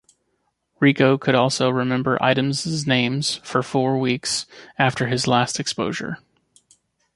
Rico could also remember items' names for four weeks after his last exposure.